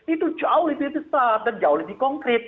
itu jauh lebih besar dan jauh lebih konkret